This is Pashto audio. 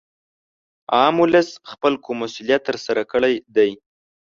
عام ولس خپل کوم مسولیت تر سره کړی دی